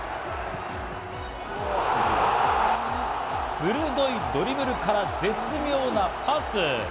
鋭いドリブルから絶妙なパス！